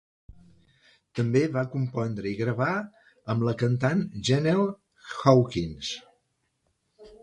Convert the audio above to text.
També va compondre i gravar amb la cantant Jennell Hawkins.